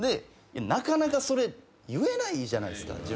なかなかそれ言えないじゃないですか。